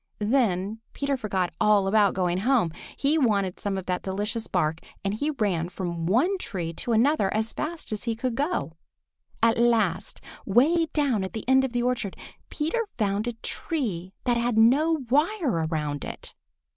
Then Peter forgot all about going home. He wanted some of that delicious bark, and he ran from one tree to another as fast as he could go. At last, way down at the end of the orchard, Peter found a tree that had no wire around it.